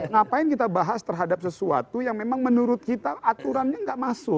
ngapain kita bahas terhadap sesuatu yang memang menurut kita aturannya nggak masuk